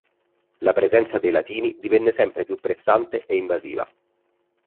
La presenza dei Latini divenne sempre più pressante e invasiva.